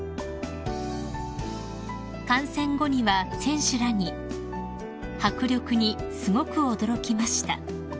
［観戦後には選手らに「迫力にすごく驚きました」